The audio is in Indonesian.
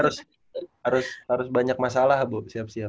harus harus harus banyak masalah bu siap siap